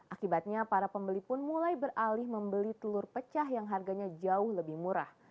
akibatnya para pembeli pun mulai beralih membeli telur pecah yang harganya jauh lebih murah